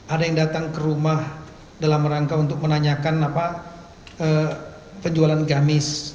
ada yang datang ke rumah dalam rangka untuk menanyakan penjualan gamis